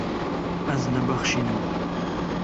Ez nabexşînim.